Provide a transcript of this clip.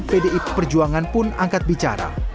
pdi perjuangan pun angkat bicara